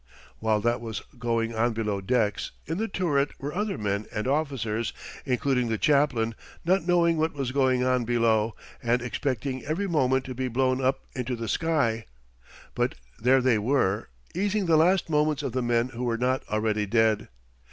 While that was going on below decks, in the turret were other men and officers, including the chaplain, not knowing what was going on below, and expecting every moment to be blown up into the sky; but there they were, easing the last moments of the men who were not already dead.